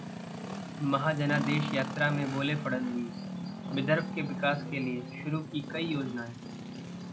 महाजनादेश यात्रा में बोले फडणवीस, विदर्भ के विकास के लिए शुरू की कई योजनाएं